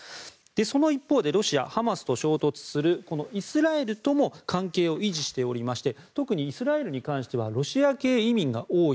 その一方、ロシアはハマスと衝突するイスラエルとも関係を維持していまして特にイスラエルに関してはロシア系移民が多い。